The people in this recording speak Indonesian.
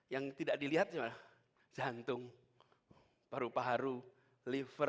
yang tidak dilihat cuma jantung paru paru liver